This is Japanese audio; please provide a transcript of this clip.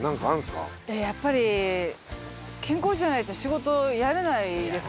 やっぱり健康じゃないと仕事やれないですよね。